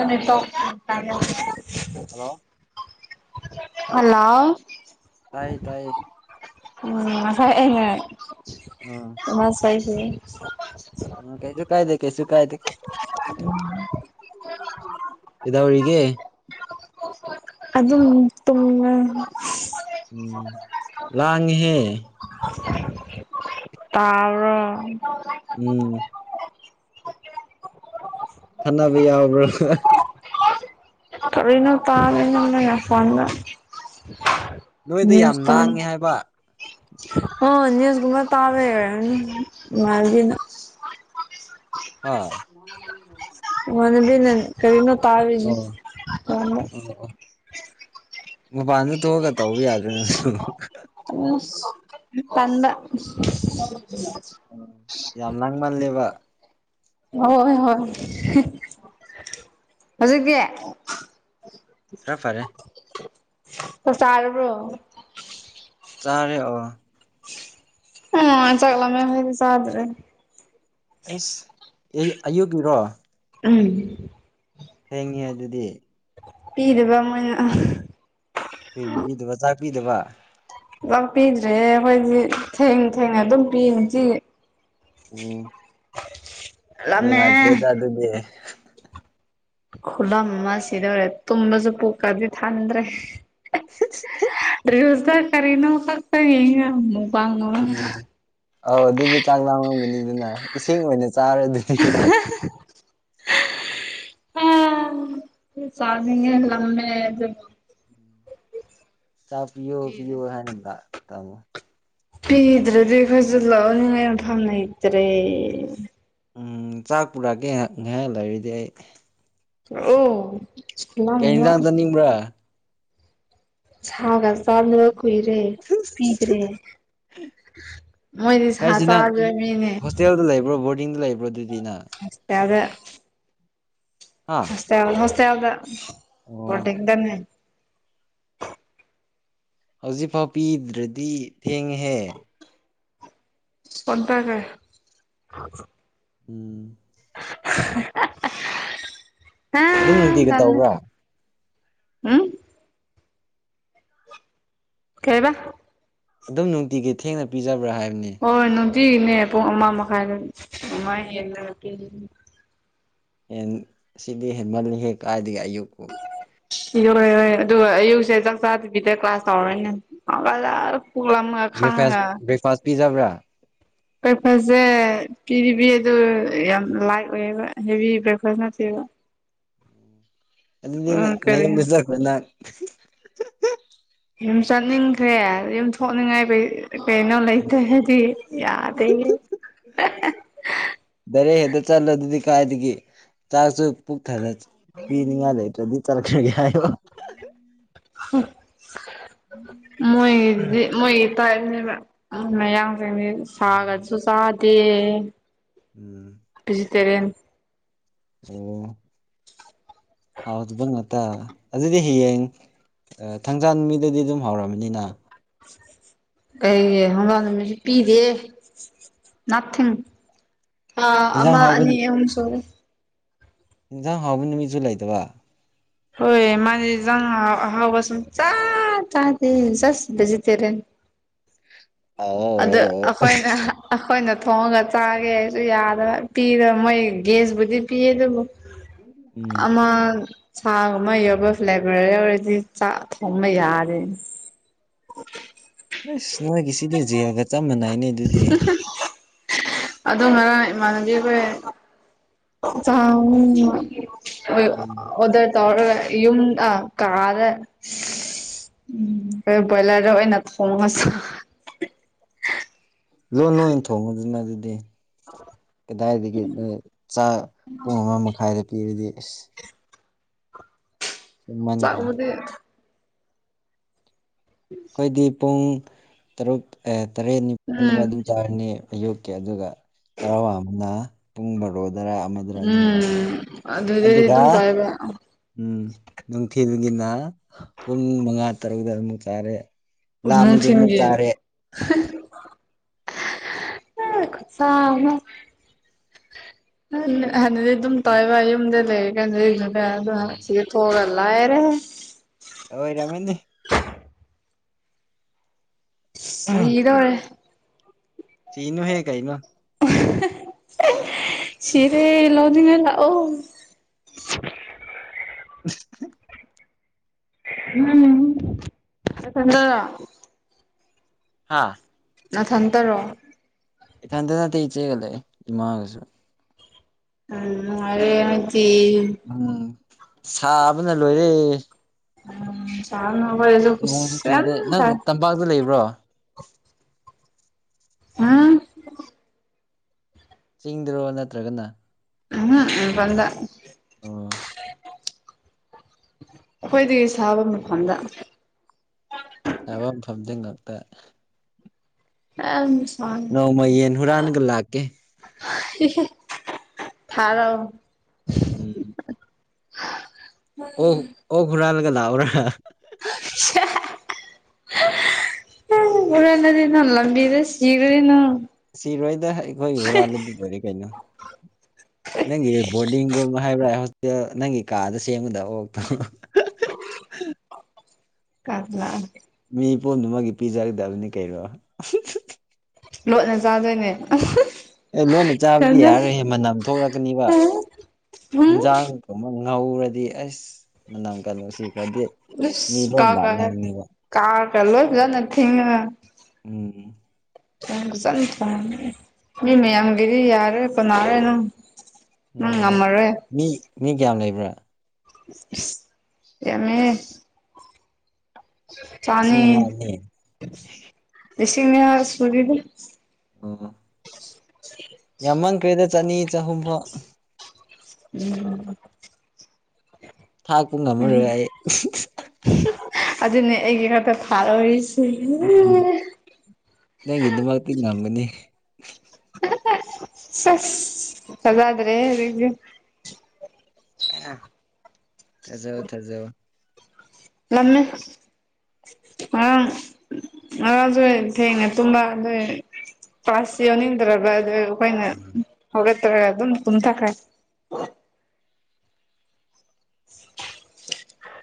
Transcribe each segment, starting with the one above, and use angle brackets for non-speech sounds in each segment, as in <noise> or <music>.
ꯑ ꯄꯣꯛ ꯇ ꯍꯜꯂꯣ <unintelligible> ꯍꯜꯂꯣ ꯇꯥꯏꯌꯦ ꯇꯥꯏꯌꯦ ꯎꯝ ꯉꯁꯥꯏ ꯑꯩꯅ ꯎꯝ ꯃꯥꯅ ꯁꯛꯏꯖꯦ ꯎꯝ ꯀꯩꯁꯨ ꯀꯥꯏꯗꯦ ꯀꯩꯁꯨ ꯀꯥꯏꯗꯦ ꯀꯩꯗꯧꯔꯤꯒꯦ ꯑꯗꯨꯝ ꯇꯨꯝꯃꯦ ꯎꯝ ꯂꯥꯡꯒꯦꯍꯦ ꯇꯥꯕꯔꫭ ꯎꯝ ꯈꯠꯅꯕ ꯌꯥꯎꯕ꯭ꯔꯣ <unintelligible> ꯀꯔꯤꯅꫭ ꯇꯥꯗꯦ ꯅꯪꯒꯤ ꯅꯈꫭꯟꯗꫭ ꯅꯣꯏꯗ ꯅ꯭ꯌꯦꯁ ꯌꯥꯝ ꯇꯥꯝ ꯂꯥꯡꯉꯦ ꯍꯥꯏꯕ ꯑꯣ ꯅꯦꯁꯀꯨꯝꯕ ꯇꯥꯕꯩ ꯑꫭꯏꯔꯝꯅꯤ ꯅꯪꯒꯤꯗꫭ ꯍꯥ ꯍ ꯍ <inaudible> <unintelligible> ꯏꯃꯥꯟꯅꯕꯤꯅ ꯀꯔꯤꯅꫭ ꯇꯥꯔꯤꯒꯦ ꯇꯧꯔꯝꯕ ꯑꯣ ꯃꯄꯥꯟꯗ ꯊꯣꯛꯑꯒ ꯇꯧꯕ ꯌꯥꯗ꯭ꯔ ꯅꯪꯁꯨ ꯎꯁ ꯇꯟꯕ ꯎꯝ ꯌꯥꯝ ꯂꯥꯡꯃꯜꯂꯦꯕ ꯍꯣꯏ ꯍꯣꯏ ꯍꫭꯏ ꯍꯧꯖꯤꯛꯇꯤ ꯈꯔ ꯐꯔꯦ ꯆꯥꯛ ꯆꯥꯔꯕ꯭ꯔꯣ ꯆꯥꯔꯦ ꯑꫭ ꯑꯩ ꯅꯨꯉꯥꯟ ꯆꯥꯛ ꯂꯥꯝꯃꯦ ꯍꯥꯏꯕ ꯆꯥꯗ꯭ꯔꯦ ꯑꯏꯁ ꯑꯩ ꯑꯩꯌꯨꯛꯒꯤꯔꯣ ꯎꯝ ꯍꯦꯡꯉꯤ ꯑꯗꯨꯗꯤ ꯄꯤꯔꯤꯕ ꯃꯣꯏꯅ ꯀꯒꯤ ꯄꯤꯗꯕ ꯆꯥꯛ ꯄꯤꯗꯕ ꯂꯥꯛꯄꯤꯤꯗ꯭ꯔꯦ ꯑꯩꯈꯣꯏꯗꯤ ꯊꯦꯡ ꯊꯦꯡꯅ ꯑꯗꯨꯝ ꯄꯤꯁꯤꯤ ꯑꯣ ꯎꯝ ꯂꯥꯝꯃꯦ ꯑꯦꯗ ꯑꯗꯨꯗꯤ ꯈꯨꯂ ꯑꯃ ꯁꯤꯗꯧꯔꯦ ꯇꯨꯝꯕꯁꯨ ꯄꯨꯣꯛꯀꯗꯤ ꯊꯥꯟꯗ꯭ꯔꯦ <unintelligible> ꯔꯤꯜꯁꯇ ꯀꯔꯤꯅꫭ ꯐꯛꯇ ꯌꯦꯡꯉꯦ ꯑꯃꯨꯛ ꯎꯝ ꯑꯧ ꯑꯗꯨꯗꯤ ꯆꯥꯛ ꯂꯥꯝꯉꯝꯒꯅꯤꯗꯅ ꯏꯁꯤꯡ ꯑꯣꯏꯅ ꯆꯥꯔꯗꯨꯗꯤ ꯑꯥ ꯆꯥꯅꯤꯡꯉꯦ ꯂꯝꯃꯦ ꯑꯗꯨ ꯆꯥꯛ ꯄꯤꯌꫭ ꯄꯤꯌꫭ ꯍꯥꯏꯅ ꯗ ꯇꯝꯃꫭ ꯊꯤꯗ꯭ꯔꯗꯒꯤ ꯑꯈꫭꯏꯖꯨ ꯂꯧꯅꯤꯉꯥꯏ ꯃꯐꯝ ꯂꯩꯇꯔꯦ ꯎꯝ ꯆꯥꯛ ꯄꯨꯔꯛꯑꯒꯦ ꯉ ꯉꯥꯏꯍꯥꯛ ꯂꯩꯔꯗꯤ ꯑꯩ ꯑꯣ ꯈꯨꯂꯝ ꯀꯩ ꯑꯃ ꯌꯦꯟꯁꯥꯡ ꯆꯠꯅꯤꯡꯕ꯭ꯔꯥ ꯁꯥꯒ ꯆꯥꯒ ꯀꯨꯏꯔꯦ ꯄꯤꯗ꯭ꯔꯦ ꯃꯣꯏꯗꯤꯁ ꯆꯗꯦ ꯃꯤꯅꯦ ꯍꯣꯇꯦꯜꯗ ꯂꯩ꯭ꯔꯣ ꯀꯔꯤꯡꯗ ꯂꯩꯕ꯭ꯔꯥꯗꯨꯗꯤꯅ ꯑꯁꯦ ꯑꯗ ꯍꯥꯥ ꯍ ꯍꯁꯦ ꯌꯥꯜꯗ ꯋꯥꯔꯗꯅꯦꯦ ꯍꯧꯖꯤꯛꯐꯥꯎ ꯄꯤꯗ꯭ꯔꯗꯤ ꯊꯦꯡꯉꯍꯦ ꯑꯣ ꯇꯒꯦ ꯎꯝ ꯍꯥ ꯑꯗꯨꯝ ꯅꯨꯡꯇꯤꯒꯤ ꯀꯜ ꯇꯧꯕ꯭ꯔꯥ ꯎꯝ ꯈꯦꯕꯥ ꯑꯗꯨꯝ ꯅꯨꯡꯇꯤꯒꯤ ꯊꯦꯡꯅ ꯄꯤꯖꯕ꯭ꯔꯥ ꯍꯥꯏꯕꯅꯤ ꯍꯣꯏ ꯍꯣꯏ ꯅꯨꯡꯇꯤꯒꯤꯅꯦ ꯄꯨꯡ ꯑꯃ ꯃꯈꯥꯏꯗ ꯃꯃꯥꯏ ꯍꯦꯟꯅ ꯅꯨꯄꯤ ꯍ ꯁꯤꯗꯤ ꯍꯦꯟꯃꯜꯂꯤꯍꯦ ꯀꯥꯏꯗꯒꯤꯒ ꯑꯌꯨꯛꯄꯣ ꯏ ꯏꯦ ꯑꯗꯨꯒ ꯑꯌꯨꯛꯁꯦ ꯆꯥꯛ ꯆꯥꯗꯕꯤꯗ ꯀ꯭ꯂꯥꯁ ꯇꯧꯔꯣꯏꯅꯦ ꯄꯣꯉ ꯕ꯭ꯔꯦꯛꯐꯥꯁ ꯈꯥꯍꯉꯥ ꯕ꯭ꯔꯦꯛꯐꯥꯁ ꯄꯤꯖꯕ꯭ꯔꯥ ꯕ꯭ꯔꯦꯛꯐꯥꯁꯁꯦ ꯄꯤꯔꯤꯕ ꯑꯗꯨ ꯌꯥꯝ ꯂꯥꯏꯠ ꯑꯣꯏꯌꯦꯕ ꯍꯦꯚ ꯕ꯭ꯔꯦꯛꯐꯥꯁꯅꯠꯇꯕ ꯗꯤ ꯎꯝ ꯀꯔꯤ ꯅꯏꯝ ꯁꯅ ꯌꯨꯝ ꯆꯠꯅꯤꯡꯈ꯭ꯔꯦ ꯌꯨꯝ ꯊꯣꯛꯅꯤꯡꯉꯥꯏꯩ ꯀꯩꯅꯣ ꯂꯩꯇꯦ ꯍꯥꯏꯗꯤ ꯌꯥꯗꯦ ꯗꯔꯦ ꯍꯦꯛꯇ ꯆꯠꯂ ꯑꯗꯨꯗꯤ ꯀꯥꯏꯗꯒꯤꯦ ꯆꯥꯛꯁꯨ ꯄꯨꯛ ꯊꯅ ꯄꯤꯅꯤꯡꯉꯥꯏ ꯂꯩꯇ꯭ꯔꯗꯤ ꯆꯠꯂꯛꯈ꯭ꯔꯒꯦ ꯍꯥꯏꯣ ꯃꯣꯏꯒꯤꯗꯤ ꯃꯣꯏꯒꯤ ꯇꯥꯏꯞꯅꯦꯕꯣꯏ ꯃꯌꯥꯝ ꯁꯥꯒꯁꯨ ꯁꯥꯗꯤ ꯎꯝ ꯚꯦꯖꯤꯇꯦꯔꯤꯌꯟ ꯑꯣ ꯍꯥꯎꯕ ꯉꯥꯛꯇ ꯑꯗꯨꯗꯤ ꯍꯌꯦꯡ ꯊꯥꯡꯖꯥꯟ ꯃꯤꯗꯗꯤ ꯑꯗꯨꯝ ꯍꯧꯔꯝꯝꯕꯅꯤꯅ ꯀꯩꯒꯤ ꯍꯪꯒꯥꯥꯡ ꯅꯨꯃꯤꯠꯁꯨ ꯄꯤꯗꯦ ꯊ ꯑ ꯏꯟꯖꯥꯡ ꯑ ꯍꯥꯎꯕ ꯑꯅꯤ ꯑ ꯁꯣꯔꯤ ꯌꯦꯟꯖꯥꯡ ꯍꯥꯎꯕ ꯅꯨꯃꯤꯠꯁꯨ ꯂꯩꯇꯕ ꯍꯣꯏ ꯃꯥꯗꯤ ꯖꯡ ꯑꯍꯧꯕ ꯁꯨꯡꯆ ꯆꯗꯦ ꯖꯁ ꯕꯦꯖꯤꯇꯦꯔꯦꯟ ꯑꯗꯨ ꯑꯩꯈꯣꯏꯅ ꯑꯩꯈꯣꯏꯅ ꯊꯣꯡꯉꯒ ꯆꯥꯒꯦꯁꯨ ꯌꯥꯗꯕ ꯄꯤꯔ ꯃꯣꯏ ꯒ꯭ꯦꯁꯕꯨꯗꯤ ꯄꯤꯌꯦ ꯑꯗꯨꯕꯨ ꯎꯝ ꯑꯃꯃ ꯁꯥꯒꯨꯝꯕ ꯌꯎꯕ ꯐ꯭ꯂꯦꯕꯔ ꯌꯧꯔꯗꯤ ꯆꯥꯛ ꯊꯣꯡꯕ ꯌꯥꯔꯦ <unintelligible> ꯑꯁ ꯅꯣꯏꯒꯤ ꯁꯤꯗꯤ ꯖꯦꯜꯒ ꯆꯞ ꯃꯥꯟꯅꯩꯅꯦ ꯑꯗꯨꯗꯤ ꯑꯗꯣ ꯉꯔꯥꯡ ꯏꯃꯥꯟꯅꯕꯤ ꯑꯩꯈꯣꯏ ꯆ ꯎꯝ ꯑꯣꯗ ꯇꯧ ꯌꯨꯝ ꯑ ꯀꯥꯗ ꯎ ꯭ꯔꯣꯌꯂꯔꯅꯊꯃꯣꯁ ꯂꯣꯟ ꯂꯣꯏ ꯊꯣꯡꯉꯗꯨꯅ ꯑꯗꯨꯗꯤ ꯀꯗꯥꯏꯗꯒꯤ ꯄꯨꯡ ꯑꯃ ꯃꯈꯥꯏꯗ ꯄꯤꯔꯗꯤ ꯑꯁ ꯆ ꯊꯦꯡꯃꯟꯈ꯭ꯔꯦ ꯃ ꯑꯩꯈꯣꯏꯗꯤ ꯄꯨꯡ ꯇꯔꯨꯛ ꯇꯔꯦꯠ ꯎꯝ ꯅꯤꯄꯥꯜꯗꯅ ꯑꯗꯨꯝ ꯆꯥꯔꯅꯤ ꯑꯌꯨꯛꯀꯤ ꯑꯗꯨꯒ ꯆꯥꯔ꯭ꯁꯟꯕꯅꯥ ꯄꯨꯡ ꯕꯥꯔꯣꯗꯔ ꯑꯃꯗꯔ ꯑꯗꯨꯝ ꯎꯝ ꯋꯥꯟꯕ ꯑꯗꯨꯗꯗꯤ ꯑꯗꯨꯒ <inaudible> ꯎꯝ ꯅꯨꯡꯊꯤꯜꯒꯤꯅ ꯄꯨꯡ ꯃꯉꯥ ꯇꯔꯨꯛꯇ ꯑꯃꯨꯛ ꯆꯥꯔꯦ ꯂꯝꯃꯗꯤ ꯑꯃꯨꯛ ꯅꯨꯡꯊꯤꯟꯒꯤ ꯆꯥꯔꯦ <unintelligible> <unintelligible> ꯑꯗꯨꯝ ꯇꯧꯏꯕ ꯌꯨꯝꯗ ꯂꯩꯔ ꯀꯥꯟꯗ ꯑꯗ ꯁꯤ ꯊꯣꯛꯑꯒ ꯂꯥꯏꯔꯦ ꯍꯣꯏ ꯔꯃꯟꯅꯤ ꯁꯤꯗꯣꯔꯦ ꯁꯤꯅꯨꯍꯦ ꯀꯩꯅꯣ ꯁꯤꯔꯦ ꯂꯧꯅꯤꯡꯉꯥ ꯂꯛꯑꯣ <inaudible> ꯎꯝ ꯅꯊꯟꯗꯔꯣ ꯍꯥꯥ ꯅꯊꯟꯇꯔꯣ ꯏꯊꯟꯗ ꯅꯠꯇꯦ ꯏꯆꯦꯒꯥ ꯂꯩꯌꯦ ꯏꯃꯒꯁꯨ ꯎꯝ <unintelligible> ꯎꯝ ꯁꯥꯕꯅ ꯂꯣꯏꯔꯦ ꯎꯝ <unintelligible> ꯄꯥꯛꯇ ꯂꯩꯕ꯭ꯔꯣ ꯎꯝ ꯆꯤꯡꯗꯔꯣ ꯅꯠꯇ꯭ꯔꯒꯅ ꯎꯝꯍꯨꯝꯞ ꯃꯄꯥꯟꯗꯥ ꯑꯣ ꯈꯋꯥꯏꯗꯩꯩ ꯁꯥꯕ ꯃꯐꯝꯗ ꯁꯥꯕ ꯃꯐꯝꯗ ꯉꯛꯇ ꯅꯣꯡꯃ ꯌꯦꯟ ꯍꯨꯔꯥꯟꯒ ꯂꯥꯛꯀꯦ <unintelligible> <unintelligible> ꯎꯝ <inaudible> ꯑꯣꯛ ꯑꯣꯛ ꯍꯨꯔꯥꯜꯂꯒ ꯂꯛꯑꯣꯔ <inaudible> ꯎꯔꯅꯗꯤꯅꯣ ꯂꯝꯕꯤꯗ ꯁꯤꯒꯔꯦꯅ ꯁꯤꯔꯣꯏꯗ ꯑꯩꯈꯣꯏꯒꯤ ꯍꯨꯔꯥꯜꯂꯗꯤ <unintelligible> ꯀꯩꯅꯣ ꯅꯪꯒꯤ ꯕꯣꯔꯗꯤꯡ ꯔꯨꯝ ꯍꯥꯏꯕ꯭ꯔꯥ ꯍꯣꯁꯇꯦꯜ ꯅꯪꯒꯤ ꯀꯥꯗ ꯁꯦꯝꯒꯗꯕ ꯑꯣꯛꯇꯣ <unintelligible> ꯃꯤ ꯄꯨꯝꯅ ꯃꯛꯀꯤ ꯄꯤꯖꯒꯗꯕꯅꯤ ꯀꯩꯅꯣ ꯂꯣꯠꯅ ꯆꯥꯗꯣꯏꯅꯦ ꯑꯦ ꯂꯣꯟꯅ ꯆꯥꯕꯗꯤ ꯌꯥꯔꯣꯏꯍꯦ ꯃꯅꯝ ꯊꯣꯛꯂꯛꯀꯅꯤꯕ ꯏꯟꯖꯥꯡ ꯀꯨꯝꯕ ꯉꯧꯔꯗꯤ ꯑꯁ ꯃꯅꯝꯒ ꯅꯨꯡꯁꯤ ꯈꯔꯗꯤ ꯃꯤ ꯏꯁ ꯂꯣꯏ ꯀꯥ ꯂꯥꯛꯅꯒꯅꯤꯕ ꯀꯥ ꯀꯂꯣꯗ <unintelligible> ꯎꯝ ꯐꯖꯅ ꯊꯣꯡ ꯃꯤ ꯃꯌꯥꯝꯒꯤꯔꯤ ꯌꯥꯔꯦ ꯐꯅꯥꯔꯦꯅꯪ ꯎꯝ ꯃꯤ ꯃꯤ ꯀꯌꯥꯝ ꯂꯩꯕ꯭ꯔꯥ <unintelligible> ꯌꯝꯃꯦ ꯂꯤꯁꯤꯡ ꯑꯃ ꯑꯅꯤ <unintelligible> ꯑꯣ ꯌꯥꯝꯃꯪꯈꯔ꯭ꯦꯗ ꯆꯅꯤ ꯆꯍꯨꯝꯐꯥꯎ ꯎꯝ ꯊꯥꯛꯄ ꯎꯝ ꯉꯝꯃꯔꯣꯏ ꯑꯩ ꯑꯗꯨꯅꯦ ꯑꯩꯒꯤ ꯈꯔ ꯈꯔ ꯐꯥꯔꯣꯔꯤꯁꯦ ꯅꯪꯒꯤ ꯗꯝꯛꯇꯤ ꯉꯝꯒꯅꯤ ꯆꯗꯗ꯭ꯔꯦ <unintelligible> ꯊꯖꯧ ꯊꯖꯧ ꯁꯁ <unintelligible> ꯉꯔꯥꯡ ꯉꯔꯥꯡ ꯁꯨ ꯊꯦꯡꯉꯦ ꯇꯨꯝꯕ ꯑꯗꯨꯏ ꯄꯥꯁꯁꯤ ꯌꯎꯅꯤꯡꯗ꯭ꯔꯕ ꯑꯗꯨ ꯑꯩꯈꯣꯏꯅ ꯍꯧꯒꯠꯇ꯭ꯔꯒ ꯑꯗꯨꯝ ꯇꯨꯝꯊꯈ꯭ꯔꯦ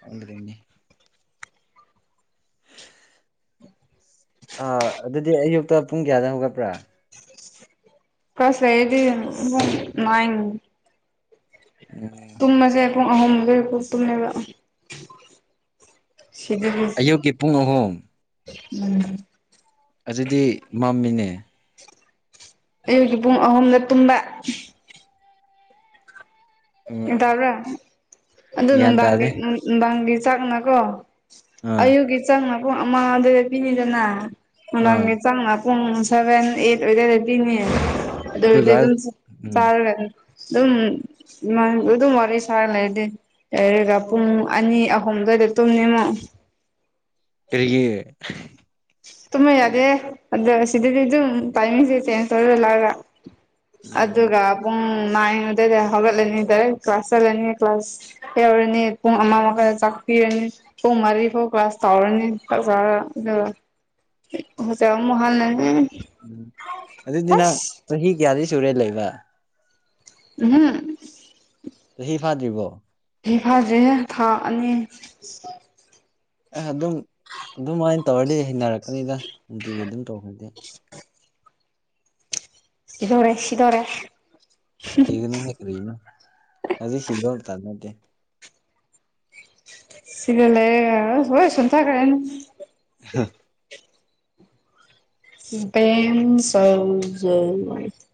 ꯑꯗꯗꯟꯅꯦ ꯑꯥ ꯑꯗꯨꯗꯤ ꯑꯌꯨꯛꯇ ꯄꯨꯡ ꯀꯌꯥꯗ ꯍꯧꯒꯠꯄ꯭ꯔꯥ ꯀ꯭ꯂꯥꯁ ꯂꯩꯔꯗꯤ ꯄꯨꯡ ꯅꯥꯏꯟ ꯎꯝ ꯇꯨꯝꯕꯁꯦ ꯄꯨꯡ ꯑꯍꯨꯝ ꯃꯔꯤ ꯐꯥꯎ ꯇꯨꯝꯃꯦꯕ ꯁꯤꯗ ꯑꯌꯨꯛꯀꯤ ꯄꯨꯡ ꯑꯍꯨꯝ <unintelligible> ꯑꯗꯨꯗꯤ ꯃꯝꯃꯤꯅꯦ ꯑꯌꯨꯛꯀꯤ ꯄꯨꯡ ꯑꯍꯨꯝꯗ ꯇꯨꯝꯕ ꯑꯣ ꯒꯌꯥꯟ ꯇꯕ꯭ꯔꯥ ꯑꯗꯨ ꯒ꯭ꯌꯥꯟ ꯅꯨꯡꯗꯥꯡꯒꯤ ꯇꯥꯗꯦ ꯅꯨꯡꯗꯥꯡꯒꯤ ꯆꯥꯛꯅꯀꯣ ꯑꯥ ꯑꯌꯨꯛꯀꯤ ꯆꯥꯛꯅ ꯄꯨꯡ ꯑꯃ ꯑꯗꯨꯏꯗ ꯄꯤꯅꯤꯗꯅ ꯑꯥ ꯅꯪꯗꯥꯡꯒꯤ ꯆꯥꯛꯅ ꯄꯨꯡ ꯁꯚꯦꯟ ꯑꯩꯌꯦꯠ ꯑꯗꯨꯌꯥꯏꯗ ꯄꯤꯅꯤ ꯑꯗꯨ ꯑꯣꯏꯔꯗꯤ ꯑꯗꯨꯒ ꯑꯗꯨꯝ ꯎꯝ ꯆꯥꯔꯒ ꯑꯗꯨꯝ ꯑꯗꯨꯝ ꯋꯥꯔꯤ ꯁꯥꯔ ꯂꯩꯔꯗꯤ ꯂꯩꯔꯒ ꯄꯨꯡ ꯑꯅꯤ ꯑꯍꯨꯝ ꯗ꯭ꯋꯥꯏꯗ ꯇꯨꯝꯅꯤꯃꯨꯛ ꯀꯔꯤꯒꯤ ꯇꯨꯝꯕ ꯌꯥꯗꯦ ꯑꯗꯨ ꯁꯤꯗꯗꯤ ꯑꯗꯨ ꯇꯥꯏꯃꯤꯁꯦ ꯆꯦꯟꯁ ꯇꯧꯋꯦꯕ ꯂꯒ ꯎꯝ ꯑꯗꯨꯒ ꯄꯨꯡ ꯅꯥꯏꯟ ꯑꯨꯏꯗ ꯍꯧꯒꯠꯂꯅꯤ ꯗꯥꯏꯔꯦꯛ ꯀ꯭ꯂꯥꯁ ꯆꯠꯂꯅꯤ ꯀ꯭ꯂꯥꯁ ꯌꯧꯔꯅꯤ ꯄꯨꯡ ꯑꯃꯥ ꯃꯈꯣꯏꯅ ꯆꯥꯛꯄꯤꯔꯅꯤ ꯄꯨꯡ ꯃꯔꯤ ꯐꯧ ꯀ꯭ꯂꯥꯁ ꯇꯧꯔꯅꯤ ꯀ꯭ꯂꯥꯁ ꯇꯧꯔꯒ ꯑꯗꯨ ꯗꯩ ꯑꯝꯨꯛ ꯍꯥꯜꯂꯅꯤ ꯎꯝ ꯑꯗꯨꯗꯤ ꯅꯪ ꯆꯍꯤ ꯀꯌꯥꯗꯤ ꯁꯨꯔꯦ ꯂꯩꯕ ꯍꯝ ꯇ ꯍꯤꯐꯥꯗꯔꯤꯕꯣ ꯆꯍꯤ ꯐꯥꯗ꯭ꯔꯤꯍꯦ ꯊꯥ ꯑꯅꯤ ꯑꯦ ꯑꯗꯨꯝ ꯑꯗꯨꯃꯥꯏꯅ ꯇꯧꯔꯗꯤ ꯍꯩꯅꯔꯛꯀꯅꯤꯗ ꯅꯨꯡꯇꯤꯒꯤ ꯑꯗꯨꯝ ꯇꯧꯈ꯭ꯔꯗꯤ <inaudible> <inaudible> ꯁꯤꯗꯣꯔꯦ ꯁꯤꯗꯣꯔꯦ <inaudible> <inaudible> ꯁꯤꯒꯅꯨꯍꯦ ꯀ꯭ꯔꯅꯣ ꯍꯧꯖꯤꯛ ꯁꯤꯒꯗꯕ ꯃꯇꯝ ꯅꯠꯇꯦ ꯁꯤꯒ ꯂꯩꯦ <unintelligible> ꯍꯣꯏꯁꯟ ꯊ ꯀꯦꯅ ꯍ <inaudible> <unintelligible>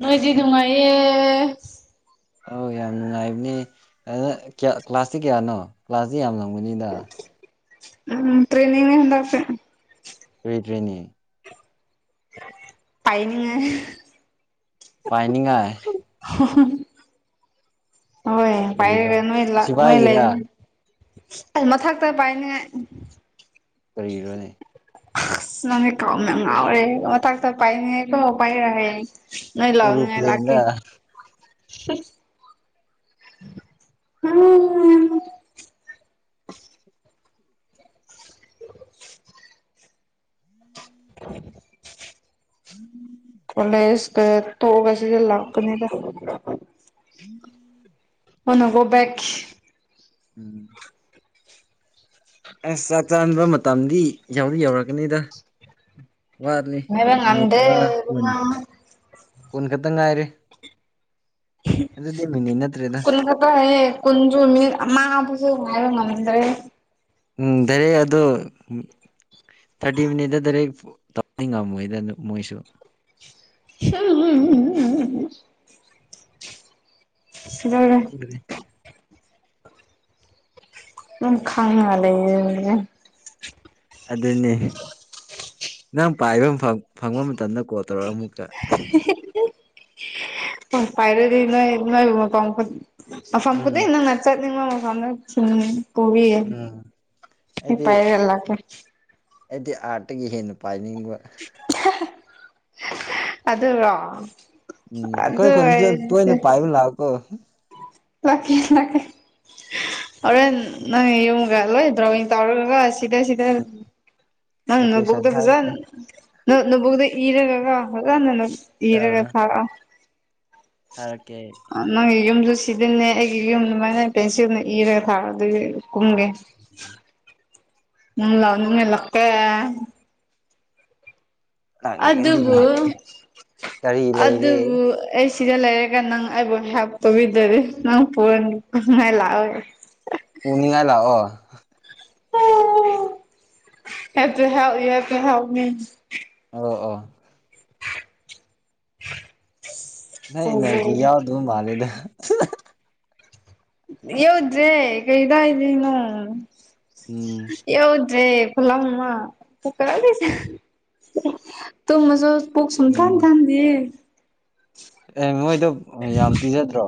ꯃꯥꯏꯗꯤ ꯅꯨꯡꯉꯌꯦ ꯑꯧ ꯌꯥꯝ ꯅꯨꯡꯉꯥꯏꯕꯅꯤ ꯑꯗꯨꯌꯥ ꯀ꯭ꯂꯥꯁꯇꯤ ꯀꯌꯥꯅꯣ ꯀ꯭ꯂꯥꯁꯇꯤ ꯌꯥꯝ ꯂꯪꯒꯅꯤꯗ ꯎꯝ ꯇ꯭ꯔꯦꯅꯤꯡꯅꯦ ꯍꯟꯗꯛꯁꯦ ꯀꯗ꯭ꯔꯔꯤꯅꯤ ꯄꯥꯏꯅꯤꯡꯉ ꯄꯥꯏꯅꯤꯡꯉꯥꯏ ꯍꯣꯏ ꯀꯔꯤꯔꯥ ꯄꯥꯏꯔꯒ ꯅꯣꯏ ꯂꯥꯛ ꯅꯣꯏ ꯁꯤꯐꯥꯏꯒꯤꯔ ꯂꯩꯅꯤ ꯑ ꯃꯊꯛꯇ ꯄꯥꯏꯅꯤꯡꯉꯥꯏ ꯀꯔꯤꯔꯣꯅꯦ ꯅꯪꯅꯦ ꯀꯥꯎ ꯌꯥꯝ ꯉꯥꯎꯔꯦ ꯃꯊꯥꯛꯇ ꯄꯥꯏꯅꯤꯉꯦ ꯀꯣ ꯄꯥꯏꯔꯦ ꯅꯣꯏ ꯂꯧꯅꯤꯉꯥꯏ ꯑꯣꯔꯣꯄ꯭ꯂꯦꯟꯗ ꯂꯥꯛꯀꯦ ꯎꯝ <unintelligible> ꯎ <unintelligible> ꯎꯝ ꯀꯣꯂꯦꯖ ꯇꯣꯛꯑꯕꯁꯤꯗ ꯂꯥꯛꯄꯅꯤꯗ ꯎꯝ ꯍꯅꯒꯣꯕꯦꯛ ꯎꯝ ꯑꯁ ꯆꯥꯛ ꯆꯥꯕ ꯃꯇꯝꯗꯤ ꯌꯥꯎꯗꯤ ꯌꯧꯔꯛꯀꯅꯤꯗ ꯋꯥꯠꯅꯤ ꯉꯥꯏꯕ ꯃꯤ ꯉꯝꯗꯦ ꯇꯔꯥ ꯀꯨꯟꯅꯤ ꯏꯕꯨꯡꯉꯣ ꯀꯨꯟ ꯈꯛꯇꯪ ꯉꯥꯏꯔꯦ ꯑꯗꯨꯗꯤꯃꯤꯅꯤ ꯅꯠꯇ꯭ꯔꯦꯗ ꯍꯦ ꯀꯨꯟꯁꯨꯃꯤ ꯃꯥꯕꯨꯁꯨꯦ ꯉꯥꯏꯕ ꯉꯗ꯭ꯔꯦ ꯑꯝ ꯈꯔ ꯑꯗꯨ ꯊꯥꯔꯇꯤ ꯃꯤꯅꯤꯠꯇ ꯗꯥꯏꯔꯦꯛ ꯇꯧꯕꯅꯤꯡ ꯉꯝꯃꯣꯏꯗ ꯃꯣꯏꯁꯨ <unintelligible> ꯁꯤꯗꯧꯔꯦ <unintelligible> ꯎꯝ ꯈꯉꯉ ꯂꯩ ꯑꯗꯨꯅꯦ ꯅꯪ ꯄꯥꯏꯕ ꯐꯪꯕ ꯃꯇꯝꯗ ꯀꯣꯜ ꯇꯧꯔꯒ ꯑꯃꯨꯛꯛꯇ ꯄꯥꯏꯔꯗꯤ ꯅꯣꯏ ꯅꯣꯏꯕꯨ ꯃ ꯀꯥꯎ ꯐ ꯑ ꯐꯝ ꯀꯗꯤ ꯎꯝ ꯏꯪ ꯅꯠꯆꯔꯅꯤ ꯐꯝ ꯄꯨꯔꯤ ꯎꯝ ꯄꯥꯏꯔ ꯂꯀꯦ ꯍꯥꯏꯗꯤ ꯑꯥꯔꯠꯇꯒꯤ ꯍꯦꯟꯅ ꯄꯥꯏꯅꯤꯡꯕ ꯑꯗꯨꯔꯣ ꯎꯝ ꯑꯗꯨ ꯀꯣꯏ ꯀꯣꯏ ꯑꯣꯏꯔꯗꯤ ꯇꯣꯏꯅ ꯄꯥꯏꯕ ꯂꯥꯛꯑꯣ ꯀꯣ ꯂꯀꯦ ꯂꯀꯦ ꯍꯣꯔꯦꯟ ꯅꯪ ꯌꯨꯝꯒ ꯂꯣꯏ ꯗ꯭ꯔꯣꯋꯤꯡ ꯇꯧꯔꯒꯒ ꯁꯤꯗ ꯁꯤꯗ ꯎꯝ ꯂꯣꯀꯦꯁꯟ ꯅꯪꯅꯕꯣꯛꯗ ꯖꯥꯟ ꯊꯥꯔꯛꯀꯦ ꯅ ꯅꯗ ꯏꯔꯒꯒ ꯍꯒꯅ ꯅ ꯍꯔꯒ ꯊꯥꯒ ꯍꯔꯡꯀꯥ ꯑ ꯅꯪꯒꯤ ꯌꯨꯝꯁꯨ ꯁꯤꯖꯤꯟꯅꯦ ꯑꯩꯒꯤ ꯌꯨꯝ ꯑꯗꯨꯃꯥꯏꯅ ꯄꯦꯟꯁꯤꯜꯅ ꯏꯔꯒ ꯊꯥꯔ ꯑꯗꯨꯗꯤ ꯀꯨꯝꯒꯦ ꯎ ꯂꯅꯤꯡ ꯏꯂꯀꯦ ꯂꯥꯛꯅꯤꯡꯉꯗꯤ ꯑꯗꯨꯕꯨ ꯂꯥꯛꯀꯦ ꯀꯔꯤ ꯂꯩꯔꯦ ꯑꯗꯨꯕꯨ ꯑꯩ ꯁꯤꯗ ꯂꯩꯔꯒ ꯅꯪ ꯑꯩꯕꯨ ꯍꯦꯜꯞ ꯇꯧꯕꯤꯗꯔꯤꯦ ꯅꯪ ꯄꯨꯣꯟꯅꯤꯡꯉꯥꯏ ꯂꯥꯛꯑꯣꯋ ꯄꯨꯅꯤꯉ ꯂꯥꯛꯑꯣ ꯑꯣ ꯏꯠꯇ ꯍꯥꯎꯥꯎ ꯏꯛꯇ ꯍꯥꯎꯥꯎ ꯃꯤ ꯑꯣ ꯑꯣ ꯅ ꯅꯖꯤ ꯌꯥꯎꯗꯕ ꯃꯥꯜꯂꯦꯗ ꯌꯎꯗ꯭ꯔꯦ ꯀ ꯏꯗ ꯏꯗꯅꯣ ꯎꯝ ꯑꯦꯎ ꯔꯦ ꯐꯨꯂꯝ ꯇꯨꯀꯅꯤꯁ ꯇꯧ ꯃꯁꯨ ꯄꯣꯛꯁꯨꯝ ꯎꯝ ꯇꯥꯟ ꯊꯥꯟꯗꯦ ꯑꯦ ꯅꯣꯏꯗꯣ ꯌꯥꯝ ꯄꯤꯖꯗ꯭ꯔꯣ